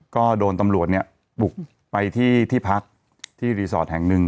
ก็โดนตำรวจปุกไปที่พักที่รีสอร์ทแห่งหนึ่ง